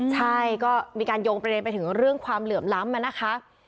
ใช่ก็มีการโยงประเด็นไปถึงเรื่องความเหลื่อมล้ำมานะคะ